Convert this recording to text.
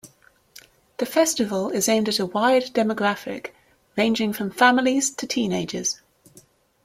The festival is aimed at a wide demographic ranging from families to teenagers.